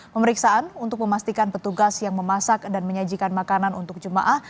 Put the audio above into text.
pemeriksaan untuk memastikan petugas yang memasak dan menyajikan makanan untuk jemaah